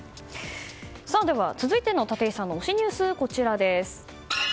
では、続いての立石さんの推しニュースはこちらです。